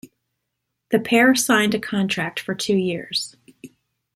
The pair signed a contract for two years.